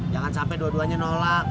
jangan sampai dua duanya nolak